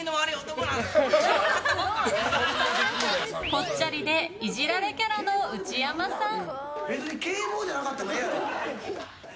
ぽっちゃりでいじられキャラの内山さん。